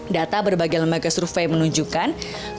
data berbagai lembaga survei menunjukkan